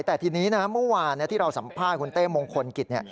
แต่ทีนี้นะเมื่อวานที่เราสัมภาษณ์คุณเต้มงคลกิจ